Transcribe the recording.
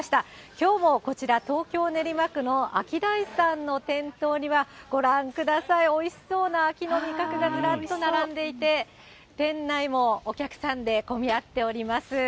きょうもこちら、東京・練馬区のアキダイさんの店頭には、ご覧ください、おいしそうな秋の味覚がずらっと並んでいて、店内もお客さんで混み合っております。